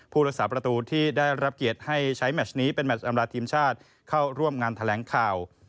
รักษาประตูที่ได้รับเกียรติให้ใช้แมชนี้เป็นแมชอำราทีมชาติเข้าร่วมงานแถลงข่าว